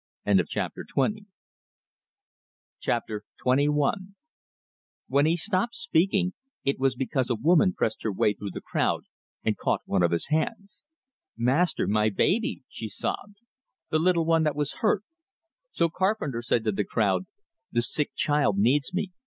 XXI When he stopped speaking, it was because a woman pressed her way through the crowd, and caught one of his hands. "Master, my baby!" she sobbed. "The little one that was hurt!" So Carpenter said to the crowd, "The sick child needs me.